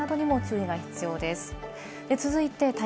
道路の冠水などにも注意が必要です。